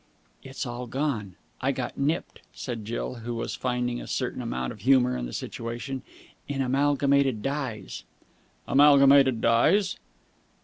"It's all gone. I got nipped," said Jill, who was finding a certain amount of humour in the situation, "in Amalgamated Dyes." "Amalgamated Dyes?"